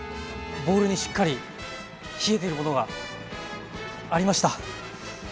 ボウルにしっかり冷えているものがありました。